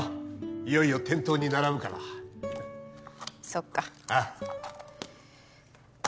いよいよ店頭に並ぶからそっかああ